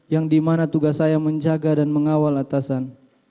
yang dimana tugas saya menjaga dan mengawal atasan